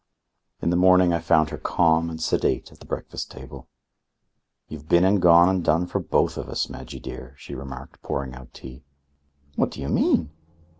In the morning I found her calm and sedate at the breakfast table. "You've been and gone and done for both of us, Majy dear," she remarked, pouring out tea. "What do you mean?"